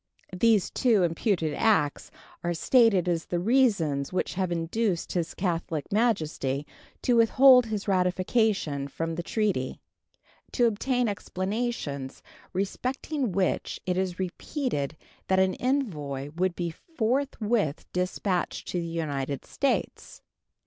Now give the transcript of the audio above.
These two imputed acts are stated as the reasons which have induced His Catholic Majesty to withhold his ratification from the treaty, to obtain explanations respecting which it is repeated that an envoy would be forthwith dispatched to the United States.